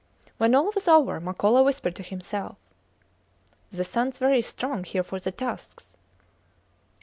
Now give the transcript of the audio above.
When all was over Makola whispered to himself: The suns very strong here for the tusks.